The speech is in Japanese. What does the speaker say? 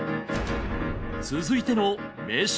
続いての名将